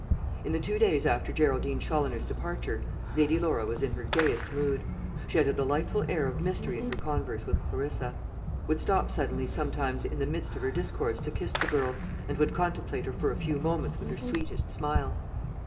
In the two days after Geraldine Challoner's departure Lady Laura was in her gayest mood. She had a delightful air of mystery in her converse with Clarissa; would stop suddenly sometimes in the midst of her discourse to kiss the girl, and would contemplate her for a few moments with her sweetest smile.